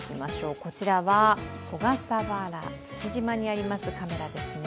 こちらは小笠原、父島にあるカメラですね。